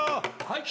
はい。